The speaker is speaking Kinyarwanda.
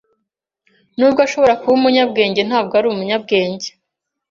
Nubwo ashobora kuba umunyabwenge, ntabwo ari umunyabwenge.